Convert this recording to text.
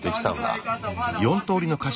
うん。